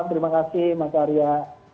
terima kasih mas arya